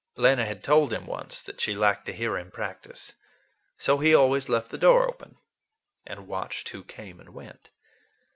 Lena had told him once that she liked to hear him practice, so he always left his door open, and watched who came and went.